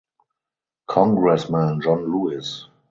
Congressman John Lewis.